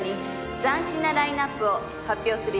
「斬新なラインナップを発表する予定です」